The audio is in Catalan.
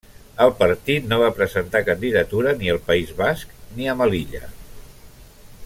El partit no va presentar candidatura ni al País Basc, ni a Melilla.